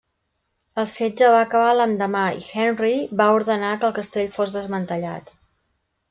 El setge va acabar l'endemà i Henry va ordenar que el castell fos desmantellat.